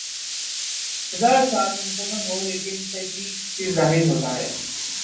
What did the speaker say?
ہزا ر سال میں مکمل ہوگا لیکن تحقیق سی ظاہر ہوتا ہی